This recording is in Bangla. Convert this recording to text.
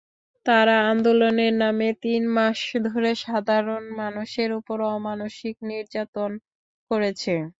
তারা আন্দোলনের নামে তিন মাস ধরে সাধারণ মানুষের ওপর অমানুষিক নির্যাতন করেছে।